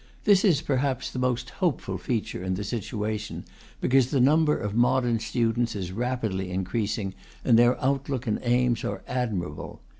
This is, perhaps, the most hopeful feature in the situation, because the number of modern students is rapidly increasing, and their outlook and aims are admirable.